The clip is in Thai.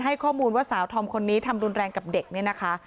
ให้ข้อมูลว่าสาวธอมคนนี้ทำรุนแรงกับเด็กเนี่ยนะคะ